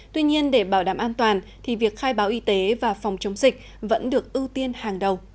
tuy nhiên để bảo đảm an toàn thì việc khai báo y tế và phòng chống dịch vẫn được ưu tiên hàng đầu